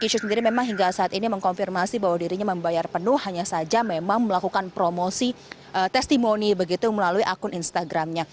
jadi memang hingga saat ini mengkonfirmasi bahwa dirinya membayar penuh hanya saja memang melakukan promosi testimoni begitu melalui akun instagramnya